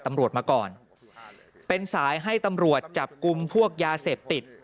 ตำรวจมาก่อนเป็นสายให้ตำรวจจับกลุ่มพวกยาเสพติด